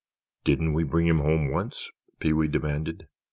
"Didn't we bring him home once?" Pee wee demanded.